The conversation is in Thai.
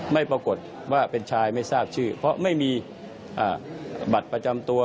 ไม่ปรากฏว่าเป็นชายไม่ทราบชื่อเพราะไม่มีบัตรประจำตัว